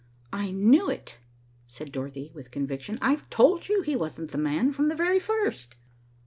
"I knew it," said Dorothy, with conviction. "I've told you he wasn't 'the man,' from the very first."